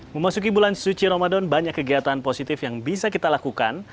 memasuki bulan suci ramadan banyak kegiatan positif yang bisa kita lakukan